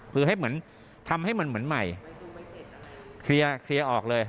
คือให้เหมือนทำให้มันเหมือนใหม่เคลียร์ออกเลย